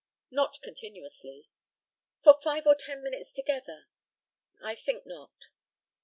Not continuously. For five or ten minutes together? I think not.